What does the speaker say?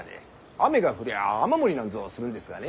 雨が降りゃ雨漏りなんぞするんですがね。